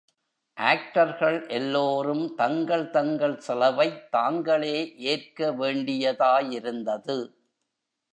ஆக்டர்கள் எல்லோரும் தங்கள் தங்கள் செலவைத் தாங்களே ஏற்க வேண்டியதாயிருந்தது.